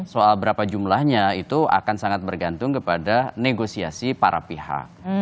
soal berapa jumlahnya itu akan sangat bergantung kepada negosiasi para pihak